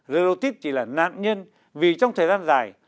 relotite chỉ là nạn nhân vì trong thời gian dài